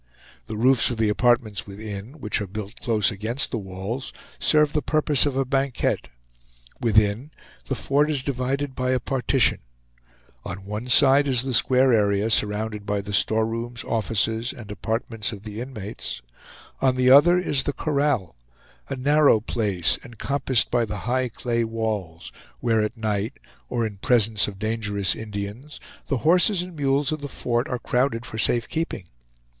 The roofs of the apartments within, which are built close against the walls, serve the purpose of a banquette. Within, the fort is divided by a partition; on one side is the square area surrounded by the storerooms, offices, and apartments of the inmates; on the other is the corral, a narrow place, encompassed by the high clay walls, where at night, or in presence of dangerous Indians, the horses and mules of the fort are crowded for safe keeping.